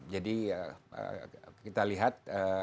jadi kita lihat